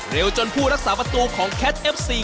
เร็วจนผู้รักษาประตูของแคชซ์เอฟซี